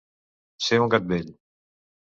Ser un gat vell.